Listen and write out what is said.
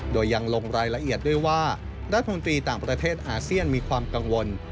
โดยยังลงรายละเอียดด้วยว่ารัฐมนตรีต่างประเทศอาเซียนมีความกังวล